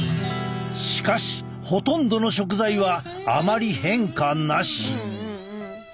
しかしほとんどの食材はあまり変化なし。